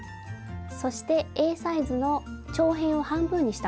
そしてＡ４サイズの長辺を半分にしたもの。